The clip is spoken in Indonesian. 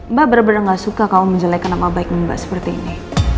mba bener bener gak suka kamu menjelekkan nama baik mba seperti ini